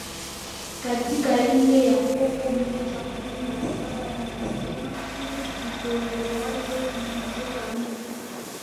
katika ile yakobo moja kumi na saba inasema kile kitolewacho kilicho kamili